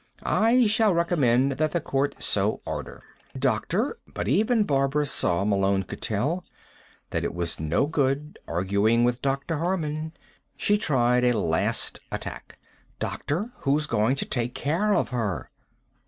I shall recommend that the court so order." "Doctor " But even Barbara saw, Malone could tell, that it was no good arguing with Dr. Harman. She tried a last attack. "Doctor, who's going to take care of her?"